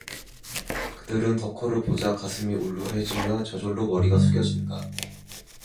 그들은 덕호를 보자 가슴이 울울해지며 저절로 머리가 숙여진다.